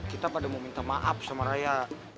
kita pada mau minta maaf sama raya